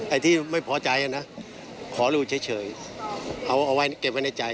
ไอ้ที่ไม่พอใจนะขอดูเฉยเอาเอาไว้เก็บไว้ในใจ